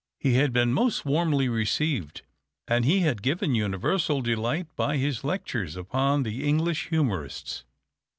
He had been most warmly received, and he had given universal delight by his lectures upon the English Humorists.